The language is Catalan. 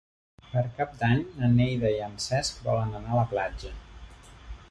Per Cap d'Any na Neida i en Cesc volen anar a la platja.